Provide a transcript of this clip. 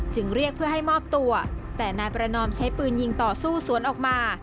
เรียกเพื่อให้มอบตัวแต่นายประนอมใช้ปืนยิงต่อสู้สวนออกมา